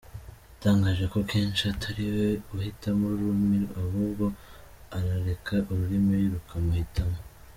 Yatangaje ko kenshi atari we uhitamo ururimi ahubwo arareka ururimi rukamuhitamo.